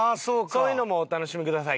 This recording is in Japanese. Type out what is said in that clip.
そういうのもお楽しみください。